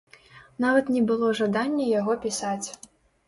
Нават не было жадання яго пісаць.